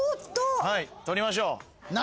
はい取りましょう。